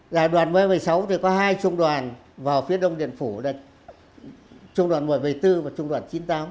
đại đội một trăm một mươi sáu thì có hai trung đoàn vào phía đông điện phủ là trung đoàn một trăm một mươi bốn và trung đoàn chín mươi tám